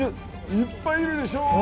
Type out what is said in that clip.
いっぱいいるでしょう。